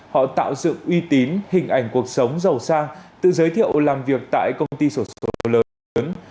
họ tạo dựng uy tín hình ảnh cuộc sống giàu xa tự giới thiệu làm việc tại công ty sổ số lớn